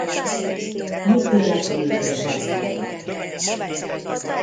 Ítélet végül nem született.